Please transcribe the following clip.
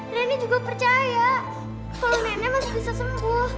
reni juga percaya kalau nenek masih bisa sembuh